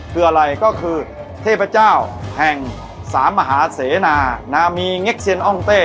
คืออะไรก็คือเทพเจ้าแห่งสามหาเสนานามีเง็กเซียนอ้องเต้